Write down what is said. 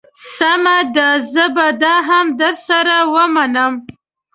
سمه ده زه به دا هم در سره ومنم.